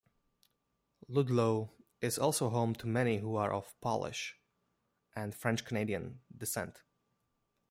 Ludlow is also home to many who are of Polish and French Canadian descent.